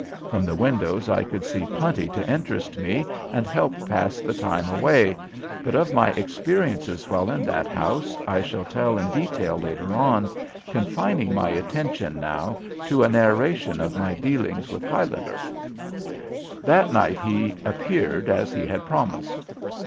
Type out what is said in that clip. From the windows I could see plenty to interest me and help pass the time away, but of my experiences while in that house I shall tell in detail later on, confining my attention now to a narration of my dealings with Huyliger. That night he appeared, as he had promised.